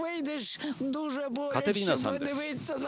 カテリナさんです。